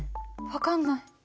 分かんない。